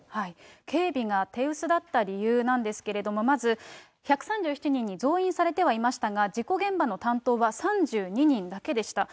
警備が手薄だった理由なんですけれども、まず１３７人に増員されてはいましたが、事故現場の担当は３２人だけでした。